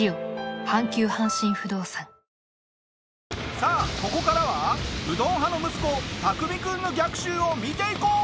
さあここからはうどん派の息子タクミ君の逆襲を見ていこう。